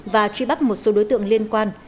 và truy bắp một số đối tượng liên quan